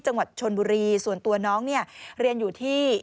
จังหวัดชนบุรีส่วนตัวน้องเนี่ยเรียนอยู่ที่